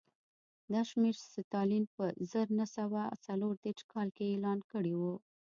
دا شمېر ستالین په زر نه سوه څلور دېرش کال کې اعلان کړی و